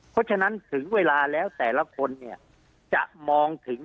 เพราะฉะนั้นถึงเวลาแล้วแต่ละคนเนี่ยจะมองถึง